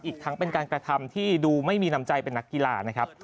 อีกทั้งเป็นการกระทำที่ดูไม่มีน้ำใจเป็นนักกีฬานะครับ